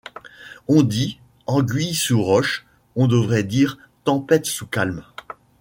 On dit: anguille sous roche ; on devrait dire : tempête sous calme.